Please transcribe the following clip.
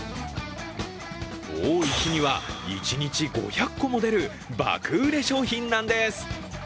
多い日には一日５００個も出る爆売れ商品なんです。